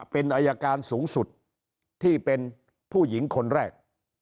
เป็นอายการสูงสุดที่เป็นผู้หญิงคนแรก